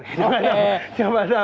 ya nggak tahu